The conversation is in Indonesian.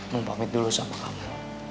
mau pamit dulu sama kamu